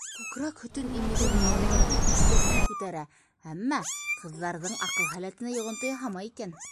Күкрәк һөтөн имеҙеү малайҙарҙың интеллектын күтәрә, әммә ҡыҙҙарҙың аҡыл һәләтенә йоғонто яһамай икән.